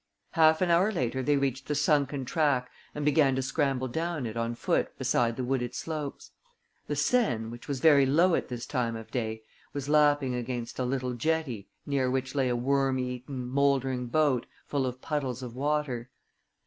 Half an hour later they reached the sunken track and began to scramble down it on foot beside the wooded slopes. The Seine, which was very low at this time of day, was lapping against a little jetty near which lay a worm eaten, mouldering boat, full of puddles of water.